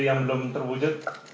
yang belum terwujud